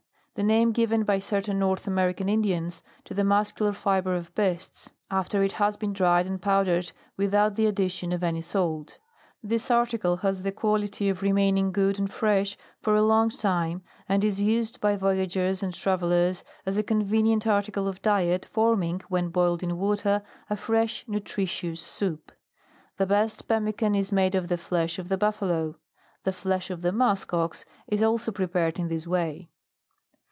The name given by cer tain North American Indians to the muscular fibre of beasts, after it has been dried and powdered with out the addition of any salt. This article has the quality of remaining good, and fresh for a long time, and is used by voyagers and travellers as a convenient article of diet, form ing, when boiled in water, a fresh, nutritious soup. The best pemme can is made of the flesh of the buf falo. The flesh of the musk ox is also prepared in this way.